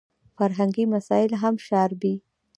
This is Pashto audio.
فرهنګي مسایل هم شاربي.